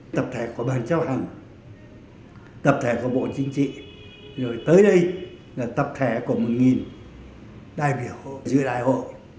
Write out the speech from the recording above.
tập thể của bàn chấp hành tập thể của bộ chính trị rồi tới đây là tập thể của một đại biểu giữa đại hội